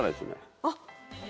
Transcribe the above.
あっ。